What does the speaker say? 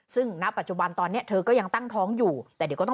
ซึ่งณปัจจุบันตอนนี้เธอก็ยังตั้งท้องอยู่แต่เดี๋ยวก็ต้อง